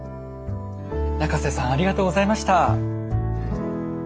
仲瀬さんありがとうございました。